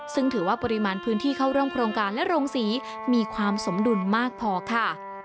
ซึ่งถือว่าปริมาณพื้นที่เข้าร่วมโครงการและโรงศรีมีความสมดุลมากพอค่ะ